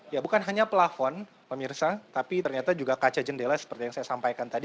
ya bukan hanya pelafon pemirsa tapi ternyata juga kaca jendela seperti yang saya sampaikan tadi